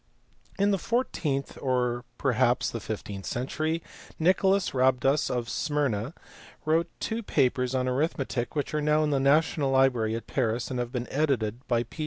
In the fourteenth or perhaps the fifteenth century Nicholas Rhabdas of Smyrna wrote two papers on arithmetic which are now in the National Library at Paris and have been edited by P.